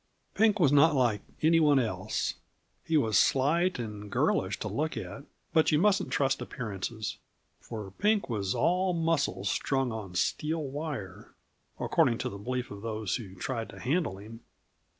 Pink was not like any one else. He was slight and girlish to look at. But you mustn't trust appearances; for Pink was all muscle strung on steel wire, according to the belief of those who tried to handle him.